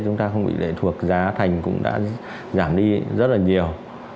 chúng ta không bị lệ thuộc giá thành cũng đã giảm đi rất là nhiều